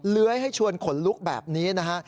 เลื้อยให้ชวนขนลุกแบบนี้นะฮะ